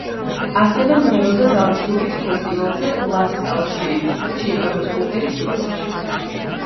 ასევე მღეროდა ზალცბურგის ფესტივალზე, ლა სკალაში, ჩიკაგოს ოპერის თეატრში.